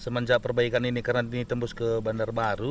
kita pakai gas semenjak perbaikan ini karena ini tembus ke bandar baru